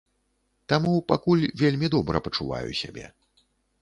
Таму пакуль вельмі добра пачуваю сябе.